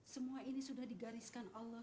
semua ini sudah digariskan allah